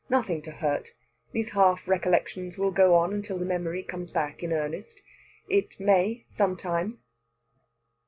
"Nothing to hurt. These half recollections will go on until the memory comes back in earnest. It may some time."